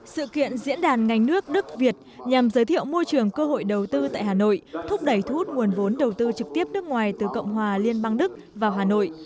sự kiện diễn đàn ngành nước đức việt nhằm giới thiệu môi trường cơ hội đầu tư tại hà nội thúc đẩy thu hút nguồn vốn đầu tư trực tiếp nước ngoài từ cộng hòa liên bang đức vào hà nội